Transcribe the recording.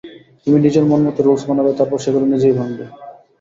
তুমি নিজের মনমতো রুলস বানাবে, তারপর সেগুলো নিজেই ভাঙবে।